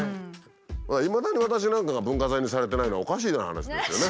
いまだに私なんかが文化財にされてないのはおかしな話ですよね。